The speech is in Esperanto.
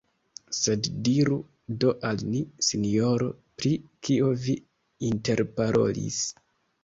Sed diru do al ni, sinjoro, pri kio vi interparolis?